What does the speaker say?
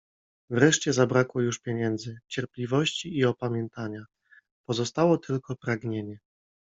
Wreszcie zabrakło już pieniędzy, cierpliwości i opamiętania. Pozostało tylko pragnienie